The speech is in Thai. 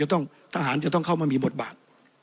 ทหารจะต้องเข้ามามีบทบาท